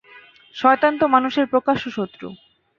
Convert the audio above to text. শয়তান তো মানুষের প্রকাশ্য শত্রু।